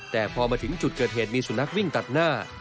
แต่พอมาถึงจุดเกิดเหตุมีสุนัขวิ่งตัดหน้า